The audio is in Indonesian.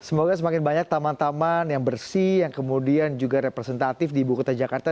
semoga semakin banyak taman taman yang bersih yang kemudian juga representatif di ibu kota jakarta